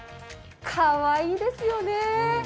かわいいですよね。